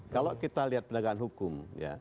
kalau kita lihat penegakan hukum